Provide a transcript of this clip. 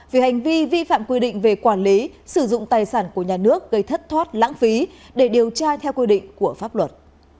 vì hành vi vi phạm quy định về quản lý sử dụng tài sản của nhà nước gây thất thoát lãng phí để điều tra theo quy định của pháp luật